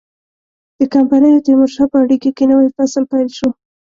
د کمپنۍ او تیمورشاه په اړیکو کې نوی فصل پیل شو.